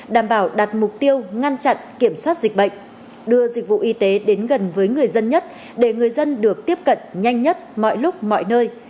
đảm bảo đặt mục tiêu ngăn chặn kiểm soát dịch bệnh đưa dịch vụ y tế đến gần với người dân nhất để người dân được tiếp cận nhanh nhất mọi lúc mọi nơi